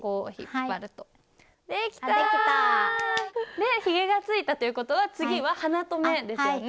でひげがついたということは次は鼻と目ですよね。